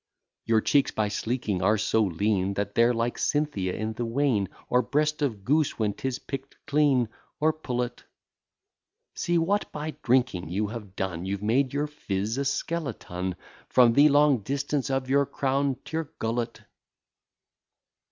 Your cheeks, by sleeking, are so lean, That they're like Cynthia in the wane, Or breast of goose when 'tis pick'd clean, or pullet: See what by drinking you have done: You've made your phiz a skeleton, From the long distance of your crown, t' your gullet.